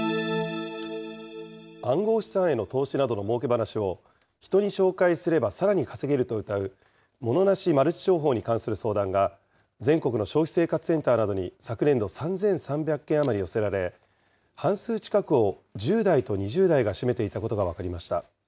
暗号資産への投資などのもうけ話を人に紹介すればさらに稼げるとうたうモノなしマルチ商法に関する相談が全国の消費生活センターなどに昨年度、３３００件余り寄せられ、半数近くを１０代と２０代が占めていたことが分かりました。